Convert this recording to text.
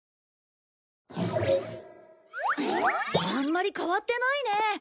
あんまり変わってないね。